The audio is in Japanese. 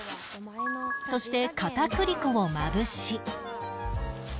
そして片栗粉をまぶし